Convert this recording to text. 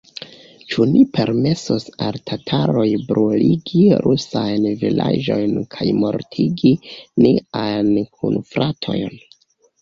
Ĉu ni permesos al tataroj bruligi rusajn vilaĝojn kaj mortigi niajn kunfratojn?